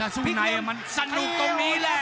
สนุกตรงมีล่ะ